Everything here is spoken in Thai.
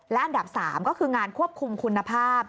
และอันดับ๓ก็คืองานควบคุมคุณภาพ